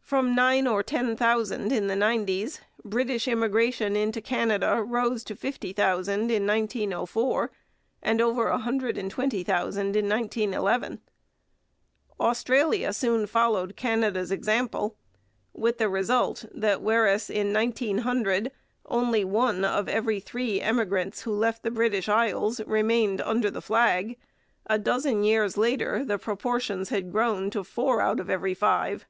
From nine or ten thousand in the nineties British immigration into Canada rose to fifty thousand in 1904 and over a hundred and twenty thousand in 1911. Australia soon followed Canada's example, with the result that whereas in 1900 only one of every three emigrants who left the British Isles remained under the flag, a dozen years later the proportions had grown to four out of every five.